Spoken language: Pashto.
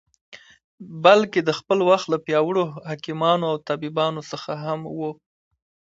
بلکې د خپل وخت له پیاوړو حکیمانو او طبیبانو څخه هم و.